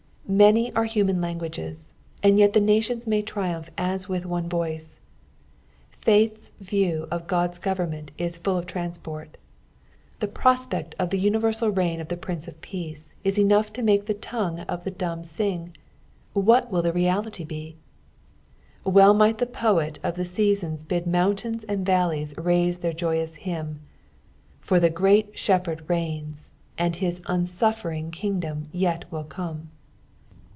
Many are human languages, and yet the nations may triumph as with one voice. Faith's view of God's government is full of transport. The ptospect of the universal reign of the Prince of Peace is enough to make the tongue of the dumb sing ; what will the reality be t Well might the poet of the seasons bid mountains and valleys raise their joyoua hymn— " For the Grbit SnEpasRD relcni. And bis unstfffeiitig kingdom yet will come."